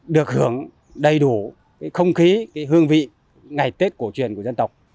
được hưởng đầy đủ không khí hương vị ngày tết cổ truyền của dân tộc